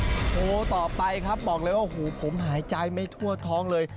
โอ้โหต่อไปครับบอกเลยว่าโอ้โหผมหายใจไม่ทั่วท้องเลย